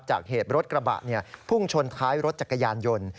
จากเหตุรถกระบะพุ่งชนท้ายรถจักรยานยนต์